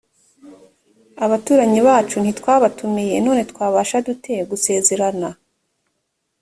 abaturanyi bacu ntitwabatumiye none twabasha dute gusezerana